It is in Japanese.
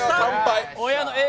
親のＡぇ！